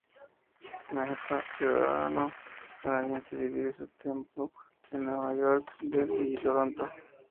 Mehta, ciudadano canadiense, divide su tiempo entre Nueva York, Delhi y Toronto.